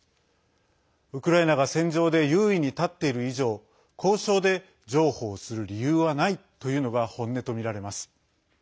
ウクライナが戦場で優位に立っている以上交渉で譲歩をする理由はないというのが、本音とみられます。